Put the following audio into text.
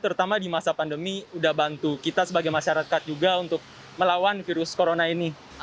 terutama di masa pandemi udah bantu kita sebagai masyarakat juga untuk melawan virus corona ini